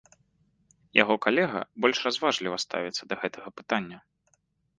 Яго калега больш разважліва ставіцца да гэтага пытання.